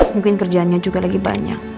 mungkin kerjaannya juga lagi banyak